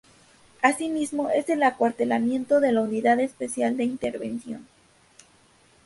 Así mismo, es el acuartelamiento de la Unidad Especial de Intervención.